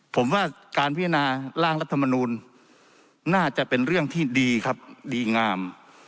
ผมว่าการพิจารณาร่างรัฐมนูลน่าจะเป็นเรื่องที่ดีครับดีงาม